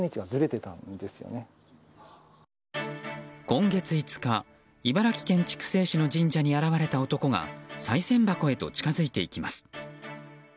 今月５日茨城県筑西市の神社に現れた男がさい銭箱へと近づいていきます。